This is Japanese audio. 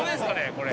これ。